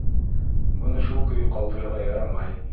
Быны шул көйө ҡалдырырға ярамай.